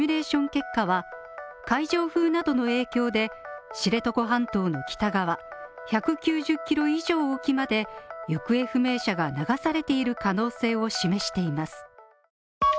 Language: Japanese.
結果は海上風などの影響で、知床半島の北側１９０キロ以上沖まで行方不明者が流されている可能性を示しています。